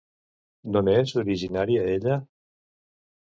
D'on és originària ella?